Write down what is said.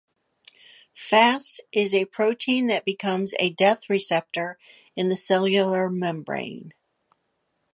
Fas is a protein that becomes a death receptor in the cellular membrane.